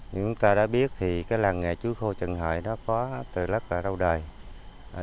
chúng ta đã biết làng nghề chuối khô trần hợi có từ lúc đầu đời